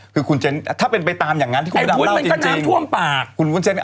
คุณเจนถ้าเป็นไปตามเลย